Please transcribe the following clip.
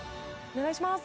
お願いします。